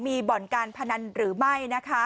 มีบ่อนการพนันหรือไม่นะคะ